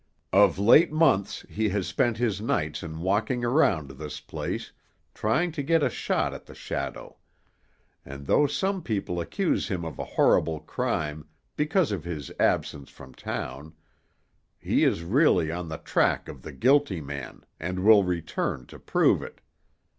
Of late months he has spent his nights in walking around this place, trying to get a shot at the shadow; and though some people accuse him of a horrible crime, because of his absence from town, he is really on the track of the guilty man, and will return to prove it.